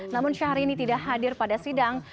namun syahrini tidak hadir pada sidang